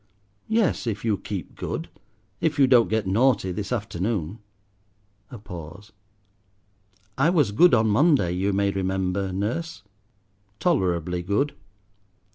"Yes, if you keep good. If you don't get naughty this afternoon." A pause. "I was good on Monday, you may remember, nurse." "Tolerably good."